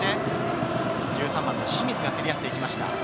１３番の清水が競り合っていきました。